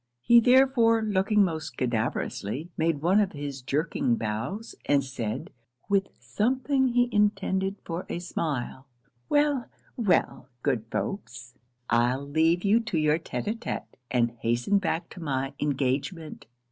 He therefore, looking most cadaverously, made one of his jerking bows, and said, with something he intended for a smile 'Well, well, good folks, I'll leave you to your tête a tête, and hasten back to my engagement.